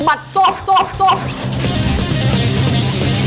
บัดสบสบสบ